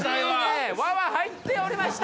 ワは入っておりました。